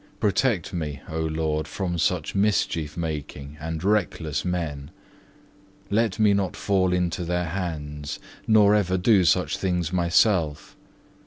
Protect me, O Lord, from such mischief making and reckless men; let me not fall into their hands, nor ever do such things myself.